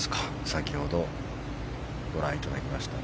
先ほどご覧いただきました。